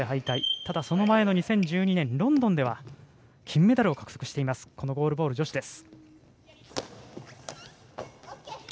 ただ、その前の２０１２年ロンドンでは金メダルを獲得しているゴールボール女子です。